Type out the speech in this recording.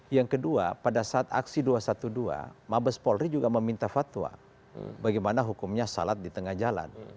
yang kedua pada saat aksi dua ratus dua belas mabes polri juga meminta fatwa bagaimana hukumnya salat di tengah jalan